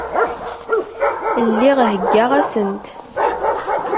Lliɣ heggaɣ-asent.